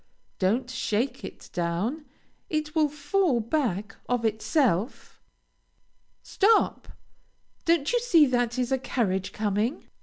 Don't shake it down; it will fall back of itself. Stop! don't you see there is a carriage coming?